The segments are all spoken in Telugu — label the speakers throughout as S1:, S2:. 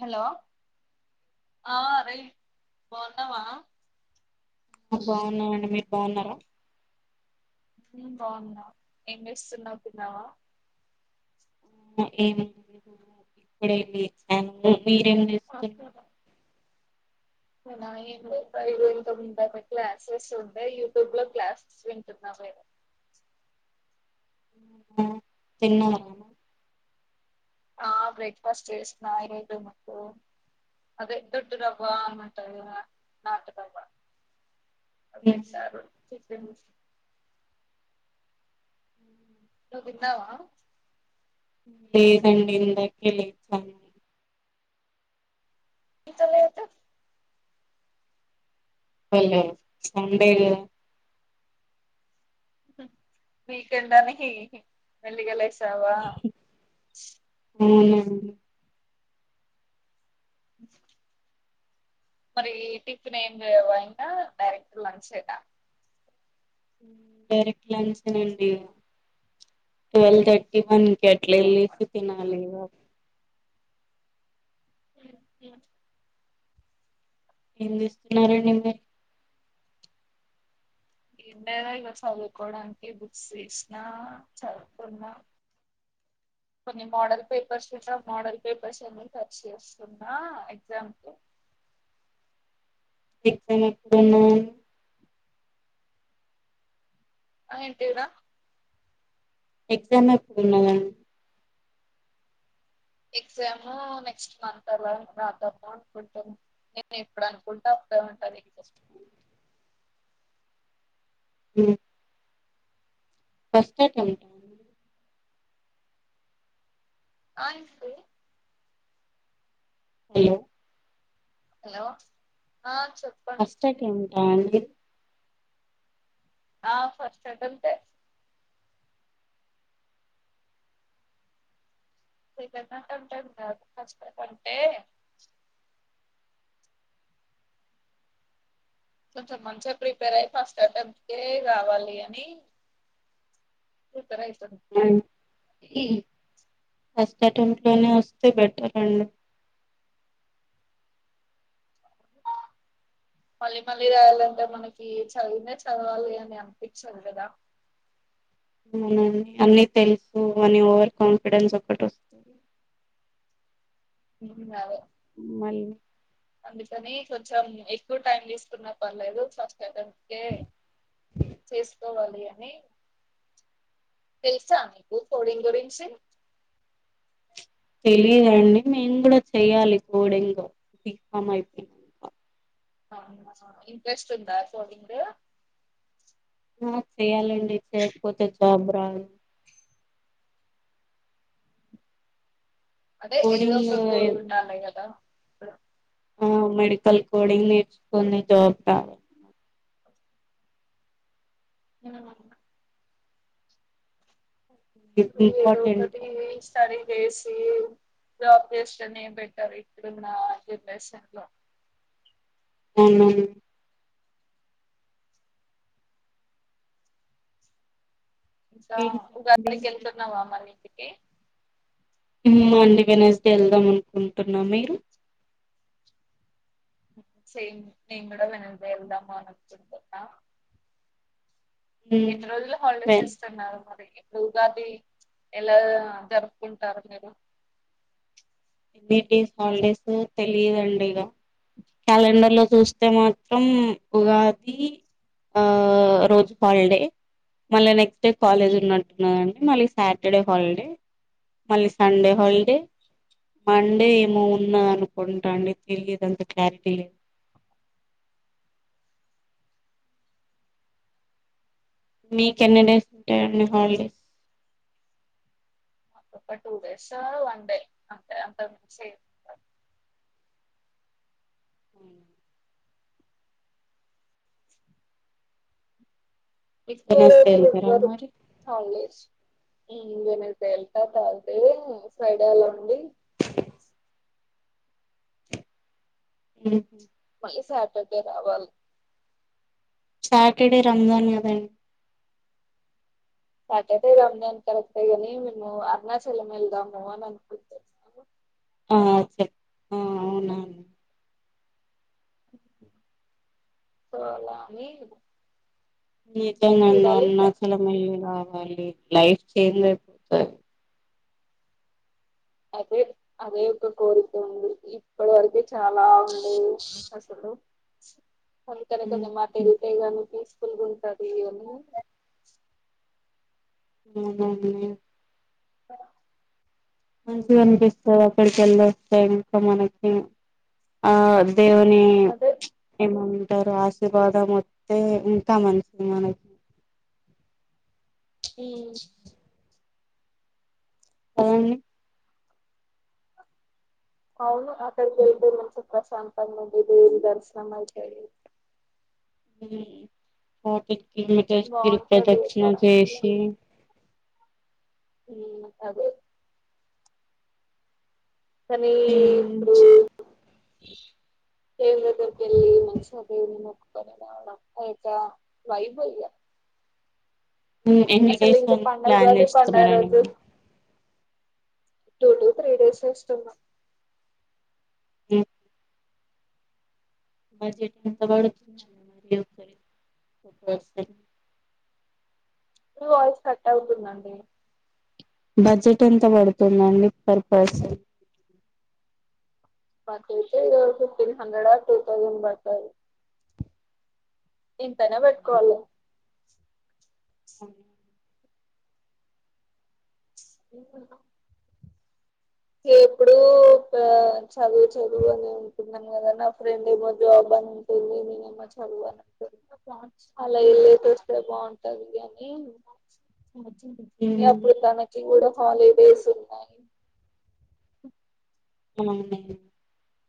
S1: హలో ఆ అరే బాన్నావా
S2: బాగున్నావండి మీరు బాగున్నారా
S1: బాగున్నా ఏం చేస్తున్నావ్ తిన్నావా
S2: ఏమి ఇప్పుడ వెళ్ళి ఫ్యామిలీ మీరేం చేస్తున్
S1: అవునా ఏంటి ఐ రోజులతో ముంద క్లాసెస్ ఉండే యూట్యూబ్ లో క్లాసెస్ వింటున్నా. మేము
S2: తిన్నవ
S1: ఆ బ్రేక్ఫాస్ట్ చేసిన ఏడు మాకు అదే దొడ్డురవ్వ ఏమంటారు నాటు రవ్వ
S2: ఉమ్,
S1: బెస్ సారు చికెన్ నువ్వు తిన్నావా
S2: లేదండి ఇందాకే లేచాను.
S1: ఇంత లేటు
S2: హలో సండే గా
S1: వీకెండ్ అని హి వెడిగలస్ తవా
S2: ఊ
S1: అ మరి టిఫిన్ ఏమి చేయవా డైరెక్ట్ లంచ్ ఏనా
S2: ఉమ్ డైరెక్ట్ లంచే నండి ట్వల్వ్ థర్టీ వన్ అట్లే
S1: అవును.
S2: ఎల్లేసి తినాలిగో
S1: అస్య
S2: ఏం చేస్తున్నారండి అందర్
S1: ఏ ఉంటాయ్ చదువుకోవడానికి బుక్స్ తీసినా, చదువుతున్నా. కొన్ని మోడల్ పేపర్స్ మోడల్ పేపర్స్ అన్న ఖర్చ్ చేస్తున్నా ఎగ్జామ్ కు
S2: బిగ్ ఫోన్ ఎత్తున్న
S1: ఆ ఏంటివరా
S2: ఎగ్జామ్ అయిపోయినాయన్
S1: ఎగ్జామ్ నెక్స్ట్ మంత్ అర్వా రానా తప్పా అనుకుంటు నేను ఎప్పుడు అనుకుంటే అప్పుడే ఉంటాది ఎగ్జామ్
S2: హ్మ్ ఫస్ట్ అటెమ్ట్ ఆ
S1: ఐసే
S2: హలో
S1: హలో ఆ చెప్పండి
S2: ఫస్టెమ్ రాండి
S1: ఆ ఫస్ట్ అటెంప్ట్ ఏ ఇంట ట ట కాదు ఫస్ట్ అటెమ్ట్ ఏ కొంచం మంచిగా ప్రిపేర్ అయి ఫస్ట్ అటెంప్ట్ కే రావాలి అని అయితున్నా
S2: ఉ ఇ ఈ ఫస్ట్ అటెంప్ట్ లోనే వస్తే బెటర్ అండి.
S1: మళ్ళీ మళ్ళీ రాయాలంటే మనకి చదివిందే చదవాలి అని అనిపించదు కదా
S2: అవునండి అన్నీ తెలుసు. అని ఓవర్ కాన్ఫిడెన్స్ ఒకటి వస్తుంది.
S1: హమ్ అదే
S2: మళ్లీ
S1: అందుకని కొంచెం ఎక్కువ టైం తీసుకున్న పర్లేదు. ఫస్ట్ అటెంప్ట్ కే చేసుకోవాలి. అని తెలుసా నీకు కోడింగ్ గురించి
S2: తెలిదండి మేము కూడా చెయాలి కోడింగ్ బీఫామ్ అయిపోయాక
S1: ఇంట్రెస్ట్ ఉందా కోడింగ్
S2: చేయాలండి చేయకపోతే జాబు రాదు
S1: అదే ఏదో
S2: కోడింగ్
S1: ఒక గోల్ ఉండాలి కదా స
S2: ఆ మెడికల్ కోడింగ్ నేర్చుకుని జాబ్ కావాలి
S1: అ నువ్వు ఏదో
S2: ఇంపార్ర్టెంట్
S1: ఒకటి స్టడీ చేసి జాబ్ చేస్తనే బెటర్ ఇట్లున్న జనరేషన్ లో
S2: అవును
S1: ఇంకా
S2: ఏంటండి
S1: ఉగాకి వెళ్తున్నావా మని కే
S2: అందుకనేసి వెళ్దాం అనుకుంటున్న మీరు
S1: సేమ్ నిను కూడా వెడ్నెస్డే అనుకుంటున్న
S2: ఉమ్,
S1: ఎన్ని రోజులు హాలిడేస్
S2: వెన్
S1: ఇస్తున్నారు మరి ఇప్పుడు ఉగాది ఎలా జరుపుకుంటారు మీరు
S2: వీక్డేస్ హాలిడేస్ తెలియదండి ఇక క్యాలెండర్ లో చూస్తే మాత్రం ఉగాది ఆ రోజు హాలిడే మళ్ళీ నెక్స్ట్ కాలేజ్ ఉన్నట్టుఉన్నది అండి మళ్ళీ సాటర్డే హాలిడే మళ్ళీ సండే హాలిడే మండే ఏమో ఉన్నా అనుకుంటాండి తెలిదుంత క్లారిటీ లే మీక ఎన్నీ డేస్ ఉంటాయి హాలీడేస్
S1: ఒక టూ డేస్ వన్డే అంటే అంతకు మించి ఏమి ఉండదు ఎక్కువ
S2: వెనస్డే
S1: రోజులు
S2: వెళ్తారా
S1: ఎవరు
S2: మరి
S1: హోలీడేస్ వెడ్నెస్డే వెళ్తా తర్స్ డే ఫ్రైడే అలా ఉండి
S2: ఏ
S1: మళ్ళీ సాటర్డే రావాలి
S2: సాటర్డే రంజాన్ అదాండి
S1: సాటర్డే ఇదాని అంత కర తగనీ మేము అరుణాచల మేల్దాము అని అనుకుతు
S2: ఆ చె అవున
S1: స [unintelligible]
S2: [unintelligible] మళ్ లైఫ్ చేంజ్ అయిపోతుంది
S1: అదే అదే ఒ ఒక కోరికంది ఇప్పుడు వరకె చాలా ఉంది అసలు అ కనీ కొనీ మాట రతే గనీ తీ [unintelligible]
S2: ఉ
S1: ఆ
S2: మంచిగ అనిపిస్త ఇక్కడిక వెళ్ళ వస్తా ఇంకా మనకి ఆ దేవుని
S1: అదే
S2: మమ అంటారు ఆశీర్వాదం వస్తే ఇంకా మంచిది మనకి
S1: హ
S2: అవును
S1: అవును అక్కడికి వెళ్ళి మ సాప నుది దర్శన మ
S2: పోటి కిమటర్కిరు
S1: బాగుంటది
S2: ప్రదక్షిణ
S1: అక్కడ
S2: చేసి
S1: సబ కానీ ఇప్పుడు
S2: ఈ
S1: దేవ్ర దకళ్లి మనసా దేవుని ముకు పరి నా అత వైభయ్య
S2: ఎన్ని డేస్
S1: పండగ
S2: ప్లాన్
S1: ఉగాది పండగ
S2: చేస్తున్నారం
S1: రోజు టూ టు త్రీ డేస్ ఇష్టమా
S2: ఓ మాజ టంత వాడుతు మ
S1: వాయిస్ కట్ అవుతుందండి
S2: బడ్జెట్ ఎంత పడుతుందండి ఫర్ పర్పన్
S1: మైతే ఇది ఫిఫటీన్ హండ్రెడ్ ఆ టూ తౌసండ్ బడుతారు ఇంతనా పెట్టుకోవల
S2: ఓ
S1: బ ఎప్పుడుూ చదువు చదువు అని ఉంటున్నాను కదా నా ఫ్రెండ్ ఏమో జాబ్ అనింటుంది నేనేమో చదువు అని అంటుంది బా అలా వెల్ళ చూస్తే బాగుంటది అని మీప్పుడుతనానికి ఓడ హాలిడేస్ ఉన్నాయి
S2: అవు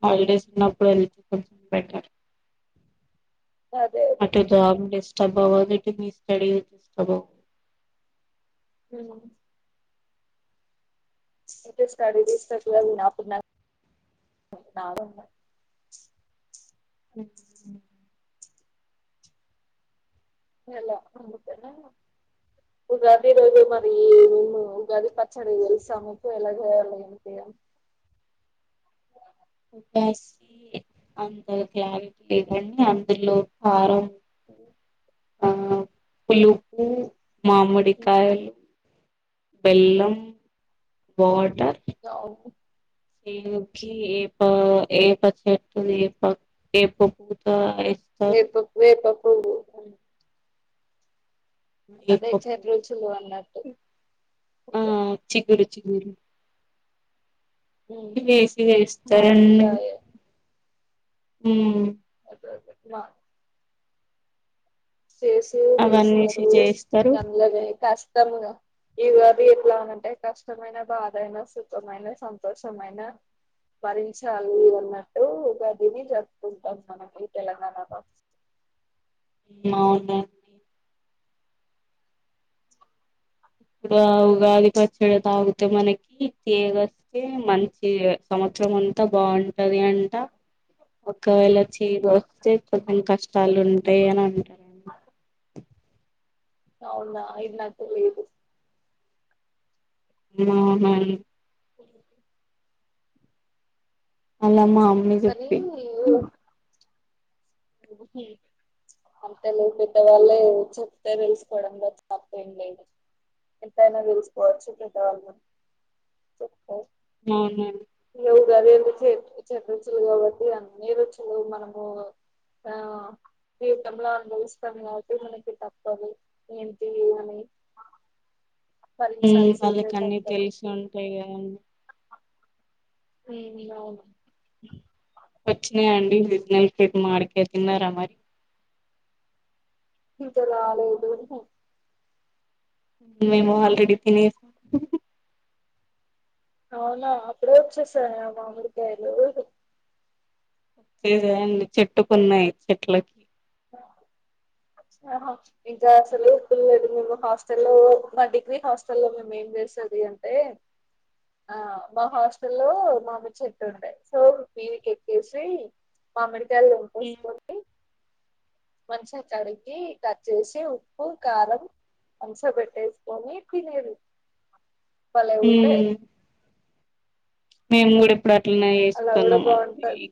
S2: హాలిడేస్ ఉన్నప్పుడు వెళ్తే కొంచెం బెటర్
S1: అ
S2: అటు డిస్టార్బ్వ మీ స్స్
S1: ఇెడు
S2: హ
S1: ఎలా అందుకేనా ఉగాది రోజు మరి మేము ఉగాది పచ్చడి తెలుసాముకు ఎలా చేయాలి ఏంటి
S2: అంత క్లారిటీ లేదండి అందులో కారం ఉప్పు ఆ పులుపు మామిడికాయలు బెల్లం వాటర్
S1: కావు
S2: కి ఏప ఏప చెట్టు ఏ ప ఏప పూత ఏస్తారు
S1: వేప వేప ఓ
S2: ఎ
S1: చెడు రుచులు అన్నట్టు
S2: ఆ
S1: ఇక
S2: మ్మ్ చిగురు
S1: ఉమ్,
S2: పేస్ట్ చేస్తారండి
S1: మామిడికాయ
S2: హమ్మ్
S1: మా చేసి
S2: అవన్నీ వేసి
S1: చేస్తారు
S2: చేస్తారు
S1: ఎందలోనే కష్టముగా ఈగాది ఎట్లానంటే కష్టమైన బాధ అయినా సుఖమైన సంతోషమైన భరించాలి అన్నట్టు ఉగాదిని జరుపుకుంటాం మనకి తెలంగాణ లో
S2: అవును ఇప్పుడు ఉగాది పచ్చడి తాగితే మనకి తీగ వస్తే మంచి సంవత్సరం అంతా బాగుంటది అంట ఒకవేళ చేదు వస్తే కొెంచెం కష్టాలు ఉంటాయి అని అంటారండి
S1: అవునా ఇది నాకు తెలియదు
S2: అవునా అనమ్మ మీకు
S1: కానీ
S2: చెప్తి
S1: అంత లేదు పెద్దవాళ్ళే చెప్తే తెలుసుకోవడంలో తప్పేమీ లేదు ఎంతైనా తెలుసుకోవచ్చు పెద్దవాళ్ళు చెప్తారు
S2: అవునవును
S1: వు కదంటి చె చెట్ రుచులు కాబట్టి అన్ని రుచులు మనము ఆ జీవితంలో అనుభవిస్తాం కాబట్టి మనకి తప్పదు ఏంటి అని
S2: హ్మ్మ్
S1: భరించాల్సిందే
S2: వాళ్ళకన్నీ
S1: తప్పదు
S2: తెలిసి ఉంటాయి గా హ్మ్మ్
S1: మేబి అవును
S2: వచ్చినాయండి మామిడికాయ తిన్నారా మరి
S1: ఇంకా రాలేదు
S2: మేము ఆల్రెడీ తినేసాం
S1: అవునా అప్పుడే వచ్చేసయా మామిడి కాయలు
S2: లేండి చెట్టుకున్నాయి చెట్లకి
S1: ఇంకా అసలు ఇప్పు లేదు మేము హాస్టల్లో మా డిగ్రీ హాస్టల్లో మేము ఏం చేసది అంటే ఆ మా హాస్టల్లో మామిడి చెట్టు ఉంటాయి సో మీదికి ఎక్కేసి మామిడి తబెల్లం వేసుకొని మంచి కడిగి కట్ చేసి ఉప్పు కారం మంచిగా పెట్టేసుకొని తినేది భలే ఉంటాయి
S2: ఉమ్ మేము కూడా ఇప్పుడు అట్లనే
S1: అలా కూడా
S2: చేస్తున్నాం అండి
S1: బాగుంటది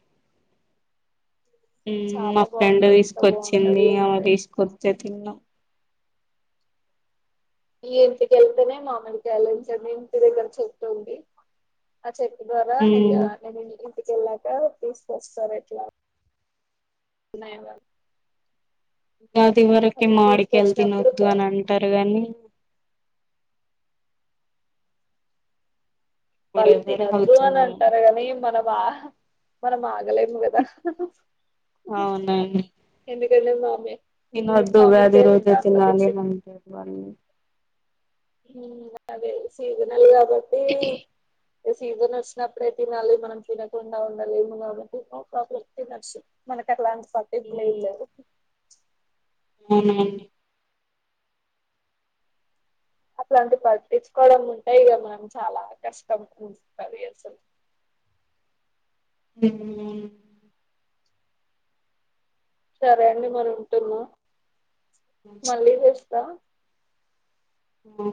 S2: మా
S1: చాలా
S2: ఫ్రెండ్
S1: బాగుంటాయి ఎంత
S2: తీసుకొచ్చింది
S1: బాగుంటది
S2: అ
S1: అంటే
S2: తీసుకొస్థే తిన్న
S1: ఇంటికి వెళ్తేనే మామీడికాయలు తింటనండి ఇంటి దగ్గర చెట్టు ఉంది ఆ చే త్వరగా
S2: ఉమ్,
S1: ఇక ఇంటికెళ్ళాక తీసుకొస్తారు అట్లా ఉన్నాయగా
S2: అది వరకే మాడికయలు తినవద్దు అని అంటారు గానీ ఇప్పుడు
S1: పల్తని
S2: ఎవరు
S1: అ తూ అ
S2: ఆగుతున్నారు
S1: అంటారుగా ని మన వా మనం ఆగలేము కదా
S2: అవునుడి
S1: కానీ మామే
S2: ఏబొడ్డు ఉగాలి రోరు తినాలి [unintelligible]
S1: అదే సీజన్
S2: ఇక
S1: సీజన్ వచ్చినప్పుడే తినాలి మనం తినకుండా ఉండాలిము నో ప్రాబ్లమ్ తినొచ్చు మనకు అలాంటి పట్టింపుంలే
S2: అ
S1: అట్లాంటి పట్టించుకోవడం ఉంటే ఇక మనం చాలా కష్టం ఉంది అసలు
S2: హ
S1: సరే అండి మరి ఉంటున్నా మళ్ళీ తెస్తా
S2: అ